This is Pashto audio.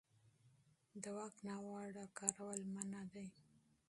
د واک ناوړه استعمال منع دی.